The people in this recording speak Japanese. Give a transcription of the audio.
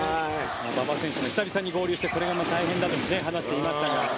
馬場選手が久しぶりに合流してそれが大変だと話していました。